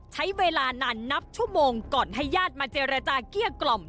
ใช้เวลานานนับชั่วโมงก่อนให้ญาติมาเจรจาเกลี้ยกล่อม